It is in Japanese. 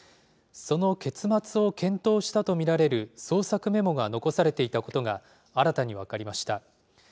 その結末を検討したと見られる創作メモが残されていたことが、新たに分かりました。